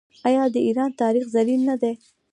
آیا د ایران تاریخ زرین نه دی؟